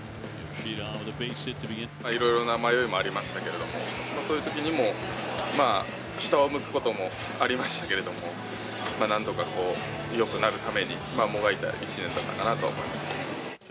いろいろな迷いもありましたけれども、そういうときにも、下を向くこともありましたけれども、なんとかこう、よくなるために、もがいた一年だったかなと思いますけど。